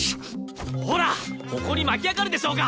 ほらホコリ巻き上がるでしょうが！